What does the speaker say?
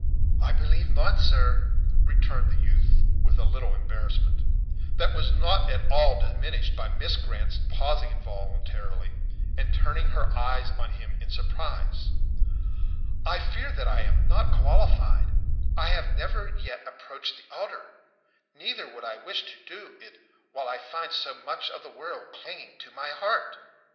"I believe not, sir," returned the youth, with a little embarrassment, that was not at all diminished by Miss Grant's pausing involuntarily, and turning her eyes on him in surprise; "I fear that I am not qualified; I have never yet approached the altar; neither would I wish to do it while I find so much of the world clinging to my heart."